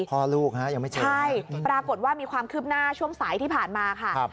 พ่อลูกฮะยังไม่เจอใช่ปรากฏว่ามีความคืบหน้าช่วงสายที่ผ่านมาค่ะ